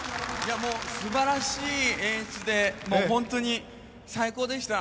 もうすばらしい演出で、本当に最高でした。